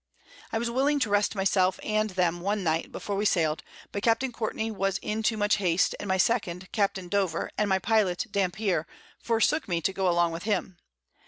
I was willing to rest my self and them one Night before we sailed; but Capt. Courtney was in too much hast, and my Second, Capt. Dover, and my Pilot Dampier forsook me to go along with him.